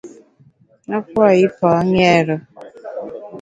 A pua’ yipa ṅêre.